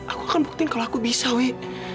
aku akan buktiin kalau aku bisa wih